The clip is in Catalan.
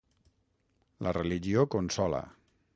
La religió consola.